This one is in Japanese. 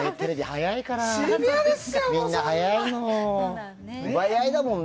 みんな早いのよ。